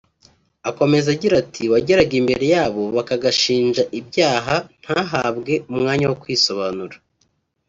Akomeza agira ati” wageraga imbere yabo bakagashinja ibyaha ntahabwe umwanya wo kwisobanura